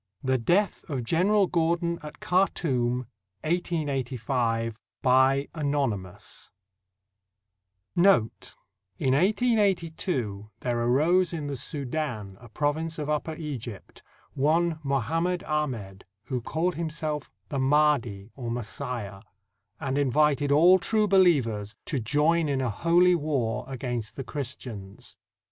THE DEATH OF GENERAL GORDON AT KHARTOUM ANONYMOUS [In 1882 there arose in the Soudan, a province of Upper Egypt, one Mohammed Ahmed, who called himself the Mahdi or Messiah, and invited all true believers to join in a holy war against the Christians.